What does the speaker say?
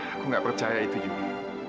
aku gak percaya itu yudi